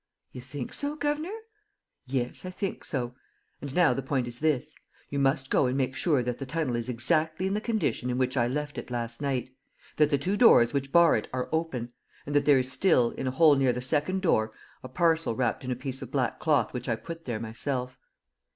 "You think so, governor?" "Yes, I think so. And now the point is this: you must go and make sure that the tunnel is exactly in the condition in which I left it last night; that the two doors which bar it are open; and that there is still, in a hole near the second door, a parcel wrapped in a piece of black cloth which I put there myself."